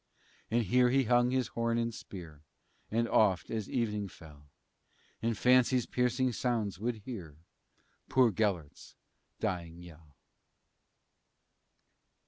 And here he hung his horn and spear, And oft, as evening fell, In fancy's piercing sounds would hear Poor Gelert's dying yell.